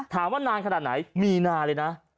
ถามว่านานขนาดไหนมีนานเลยนะ